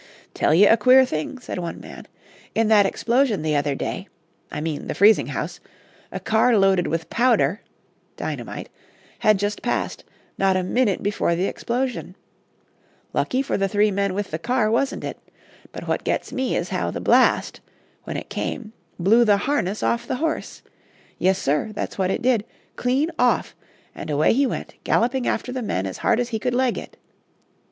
"Tell ye a queer thing," said one man. "In that explosion the other day, I mean the freezing house, a car loaded with powder [dynamite] had just passed, not a minute before the explosion. Lucky for the three men with the car, wasn't it? But what gets me is how the blast, when it came, blew the harness off the horse. Yes, sir; that's what it did clean off; and away he went galloping after the men as hard as he could leg it.